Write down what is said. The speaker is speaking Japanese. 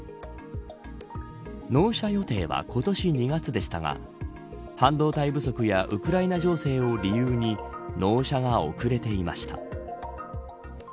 納車予定は今年２月でしたが半導体不足やウクライナ情勢を理由に納車が遅れていました。